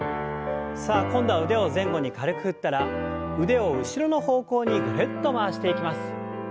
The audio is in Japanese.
さあ今度は腕を前後に軽く振ったら腕を後ろの方向にぐるっと回していきます。